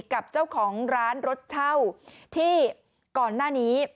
กับเจ้าของร้านรถเช่าที่ก่อนหน้านี้